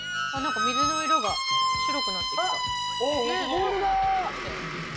白くなってきましたよ。